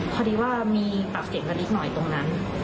พอดีว่ามีปากเสียงกันนิดหน่อยตรงนั้น